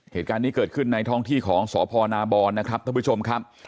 เหตุการณ์นี้เกิดขึ้นในท้องที่ของสพนาบรนะครับท่านผู้ชมครับ